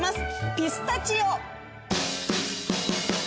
ピスタチオ！